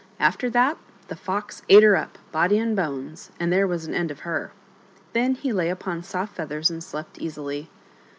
After that the Fox ate her up, body and bones, and there was an end of her. Then he lay upon soft feathers and slept easily.